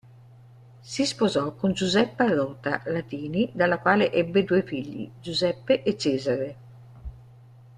Si sposò con Giuseppa Rota Latini dalla quale ebbe due figli: Giuseppe e Cesare.